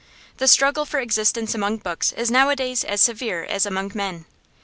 The struggle for existence among books is nowadays as severe as among men.